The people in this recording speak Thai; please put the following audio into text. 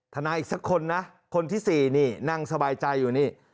นายอีกสักคนนะคนที่๔นี่นั่งสบายใจอยู่นี่